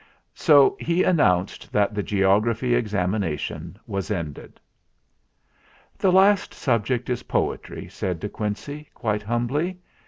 So he announced that the geography examination was ended. "The last subject is poetry/' said De Quincey, quite humbly.